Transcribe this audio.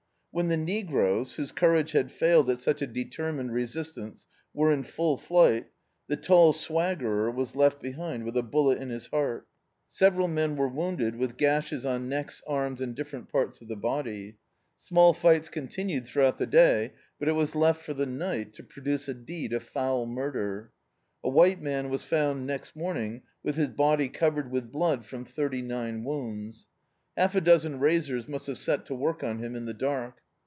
When the negroes, whose courage had failed at such a determined re sistance, were in full flight, the tall swaggerer was left behind with a bullet in his heart. Several men D,i.,.db, Google The Autobiography of a Super Tramp were wounded, with gashes on necks, arms, and dif ferent parts of the body. Small fights continued throu^out the day, but it was left for the night to produce a deed of foul murder. A white man was found next morning with his body covered with blood from thirty^nine wounds. Half a dozen razors must have set to work on him in the dark.